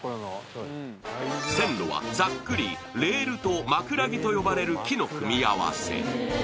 線路はざっくりレールと枕木と呼ばれる木の組み合わせ